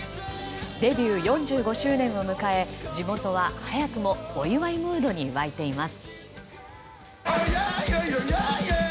デビュー４５周年を迎え地元は早くもお祝いムードに沸いています。